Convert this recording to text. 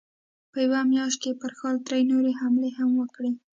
په يوه مياشت کې يې پر ښار درې نورې حملې هم وکړې.